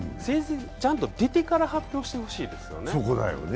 ちゃんと出てから発表してほしいですよね。